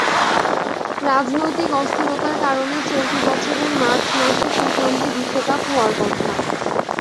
রাজনৈতিক অস্থিরতার কারণে চলতি বছরের মার্চ মাসে টি-টোয়েন্টি বিশ্বকাপ হওয়ার কথা।